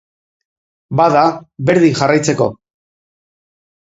Bada, berdin jarraitzeko.